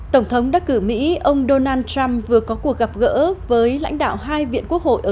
tổng thống đắc cử mỹ ông donald trump vừa có cuộc gặp gỡ với lãnh đạo hai viện quốc hội